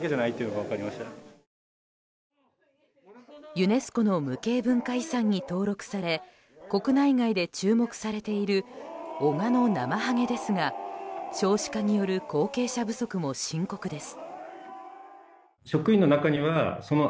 ユネスコの無形文化遺産に登録され国内外で注目されている男鹿のナマハゲですが少子化による後継者不足も深刻です。